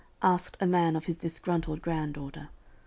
asked a man of his "disgruntled" granddaughter.